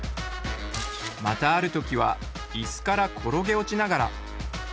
またある時は椅子から転げ落ちながら。